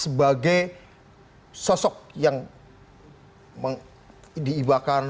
sebagai sosok yang diibahkan